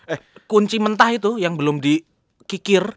eh kunci mentah itu yang belum dikikir